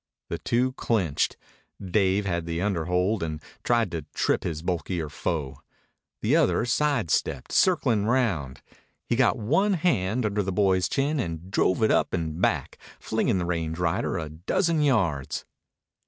The two clinched. Dave had the under hold and tried to trip his bulkier foe. The other side stepped, circling round. He got one hand under the boy's chin and drove it up and back, flinging the range rider a dozen yards.